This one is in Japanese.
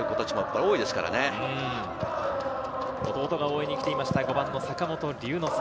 弟が応援に来ていました、５番の坂本龍之介。